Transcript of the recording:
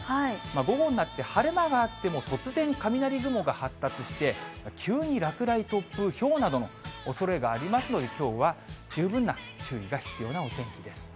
午後になって、晴れ間があっても、突然雷雲が発達して、急に落雷、突風、ひょうなどのおそれがありますので、きょうは十分な注意が必要なお天気です。